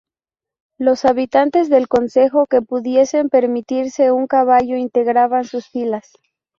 Los habitantes del concejo que pudiesen permitirse un caballo integraban sus filas.